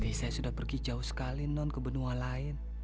tapi saya sudah pergi jauh sekali non ke benua lain